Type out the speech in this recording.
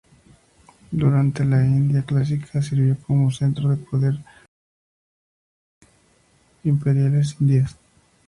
Durante la India clásica, sirvió como centro de poder de varias dinastías imperiales indias.